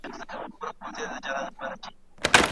شعار